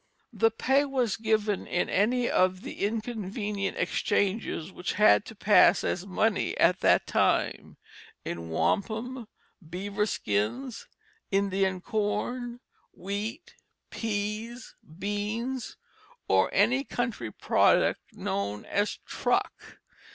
The pay was given in any of the inconvenient exchanges which had to pass as money at that time, in wampum, beaver skins, Indian corn, wheat, peas, beans, or any country product known as "truck."